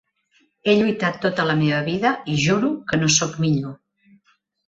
He lluitat tota la meva vida, i juro que no sóc millor.